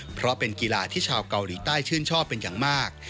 เพราะเป็นกีฬาที่ชาวเกาหลีใต้ชื่นชอบเป็นอย่างมาก